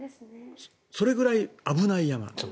それぐらい危ない山なんです。